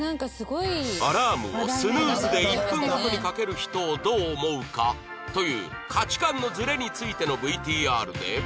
アラームをスヌーズで１分ごとにかける人をどう思うか？という価値観のズレについての ＶＴＲ で